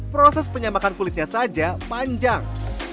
proses penyamakan kulitnya saja panjang